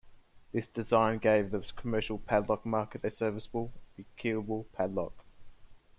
This design gave the commercial padlock market a serviceable, rekeyable padlock.